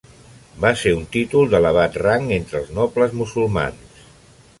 Va ser un títol d'elevat rang entre els nobles musulmans.